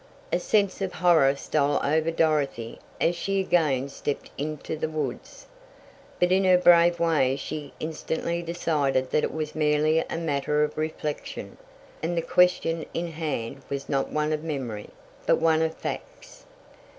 A sense of horror stole over Dorothy as she again stepped into the woods, but in her brave way she instantly decided that it was merely a matter of reflection, and the question in hand was not one of memory, but one of facts.